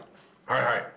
はいはい。